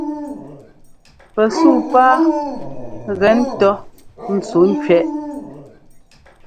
Pɛ suu pá gɛ ńtɔ́ ntsuŋkẅɛʼ.